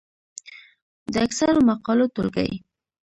د اکثرو مقالو ټولګې،